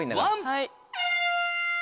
はい。